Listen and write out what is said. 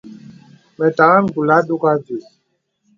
Mə tàgā ngùlà ndɔ̄gà və.